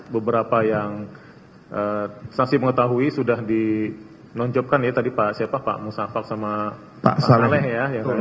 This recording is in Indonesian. beberapa yang saksi mengetahui sudah dinonjopkan ya tadi pak musafah sama pak saleh ya